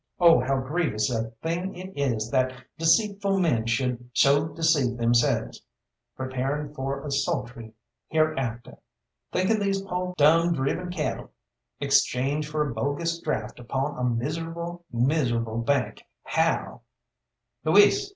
Oh, how grievous a thing it is that deceitful men should so deceive themselves, preparing for a sultry hereafter. Think of these poh dumb driven cattle, exchanged for a bogus draft upon a miserable, miserable bank how " "Luis!"